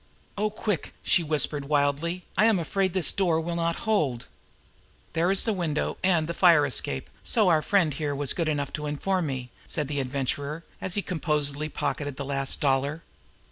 "Oh, quick!" she whispered wildly. "I am afraid this door will not hold." "There is the window, and the fire escape, so our friend here was good enough to inform me," said the Adventurer, as he composedly pocketed the last dollar.